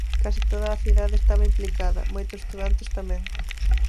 Case toda a cidade estaba implicada, moitos estudantes tamén.